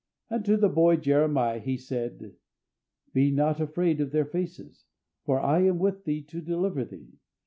And to the boy Jeremiah, He said, "Be not afraid of their faces: for I am with thee to deliver thee....